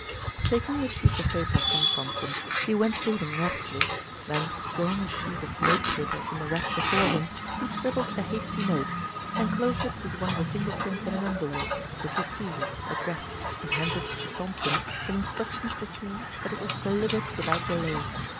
Taking the sheets of paper from Thompson, he went through them rapidly, then drawing a sheet of note paper from the rack before him he scribbled a hasty note, enclosed it with one of the fingerprints in an envelope, which he sealed, addressed, and handed to Thompson with instructions to see that it was delivered without delay.